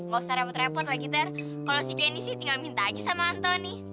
nggak usah repot repot lagi ter kalau si kenny sih tinggal minta aja sama anthony